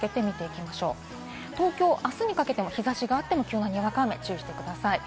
きょうあすにかけて日差しがあっても、急なにわか雨に注意してください。